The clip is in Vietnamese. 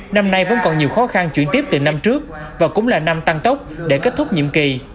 năm nay vẫn còn nhiều khó khăn chuyển tiếp từ năm trước và cũng là năm tăng tốc để kết thúc nhiệm kỳ